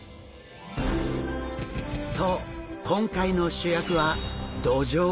そう今回の主役はドジョウ。